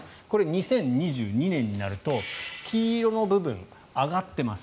２０２２年になると黄色の部分が上がっています。